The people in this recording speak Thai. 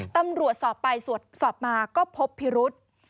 ตำรวจสอบไปสอบมาก็พบพิรุษ